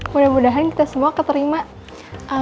mudah mudahan kita semua keterima ini ya